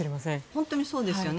本当にそうですよね。